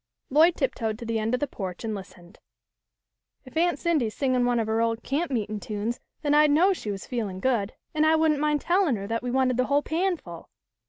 Lloyd tiptoed to the end of the porch and listened. " If Aunt Cindy's singin' one of her old camp meetin' tunes then I'd know she was feelin' good, and I wouldn't mind tellin' her that we wanted the whole pan full.